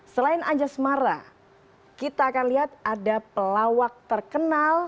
selain anjasmara kita akan lihat ada pelawak terkenal